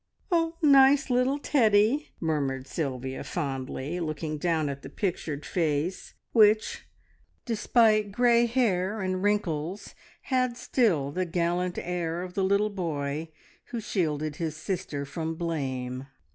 "Nice little Teddy!" murmured Sylvia fondly, looking down at the pictured face, which, despite grey hair and wrinkles, had still the gallant air of the little boy who shielded his sister from blame.